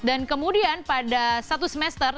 dan kemudian pada satu semester